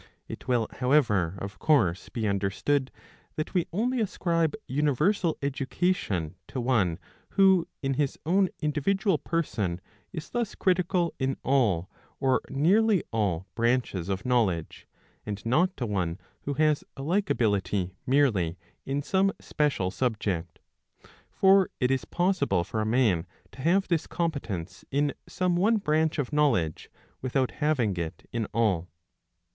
It will, however, of course, be understood that we only ascribe universal education to one who in his own individual person is thus critical in all or nearly all branches of knowledge, and not to one who has a like ability merely in some special subject. For it is possible for a man to have this competence in some one branch of know ledge without having it in all.